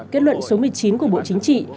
kết luận số một mươi chín của bộ chính trị